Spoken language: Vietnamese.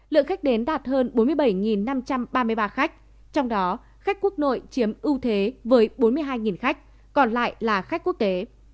lượng khách đến đạt hơn bốn mươi bảy năm trăm ba mươi ba khách trong đó khách quốc nội chiếm ưu thế với bốn mươi hai khách còn lại là khách quốc tế